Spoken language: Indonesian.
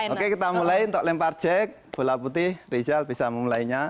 oke kita mulai untuk lempar jack bola putih rijal bisa memulainya